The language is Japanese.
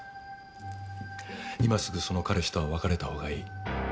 今すぐその彼氏とは別れた方が良い。